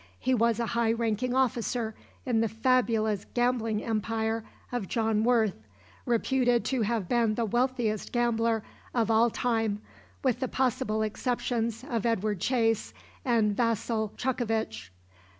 He was a high ranking officer in the fabulous gambling empire of John Worth, reputed to have been the wealthiest gambler of all time with the possible exceptions of Edward Chase and Vasil Chuckovich.